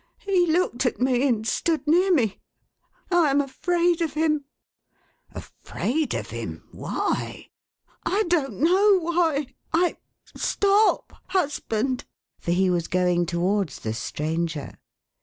He looked at me, and stood near me. I am afraid of him." " Afraid of him ! Why ?"" I don't know why — I — stop ! husband !" for he was going towards the stranger.